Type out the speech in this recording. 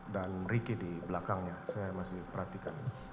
dan ricky di belakangnya saya masih perhatikan